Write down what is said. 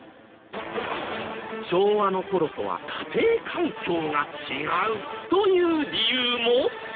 昭和の頃とは家庭環境が違うという理由も？